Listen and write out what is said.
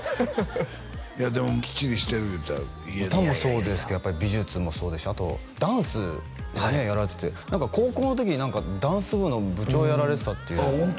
いやでもきっちりしてる言うてたよ歌もそうですけど美術もそうですしあとダンスもねやられてて何か高校の時にダンス部の部長をやられてたってあっホント？